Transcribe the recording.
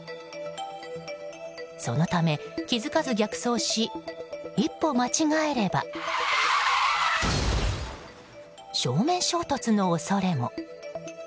そのため、気づかず逆走し一歩間違えれば正面衝突の恐れも。